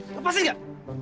apaan sih enggak